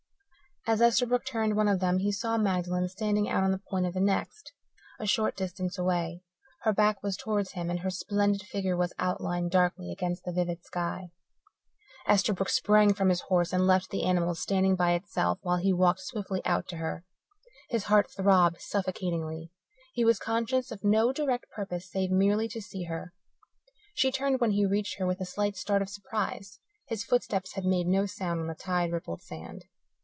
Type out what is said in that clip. As Esterbrook turned one of them he saw Magdalen standing out on the point of the next, a short distance away. Her back was towards him, and her splendid figure was outlined darkly against the vivid sky. Esterbrook sprang from his horse and left the animal standing by itself while he walked swiftly out to her. His heart throbbed suffocatingly. He was conscious of no direct purpose save merely to see her. She turned when he reached her with a slight start of surprise. His footsteps had made no sound on the tide rippled sand.